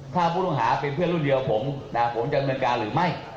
ถ้าผู้ต้องหาเป็นเพื่อนรุ่นเดียวผมผมจะดำเนินการหรือไม่